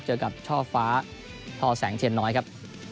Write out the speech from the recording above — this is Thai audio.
เจอกับช่อฟ้าทอแสงเทียนน้อยครับ